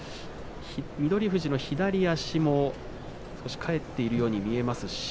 富士の左足、少し返っているように見えます。